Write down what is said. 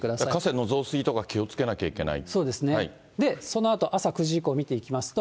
河川の増水とか気をつけなきゃいけない。